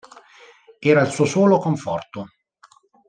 Era il suo solo conforto.